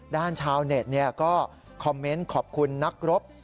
ชาวเน็ตก็คอมเมนต์ขอบคุณนักรบ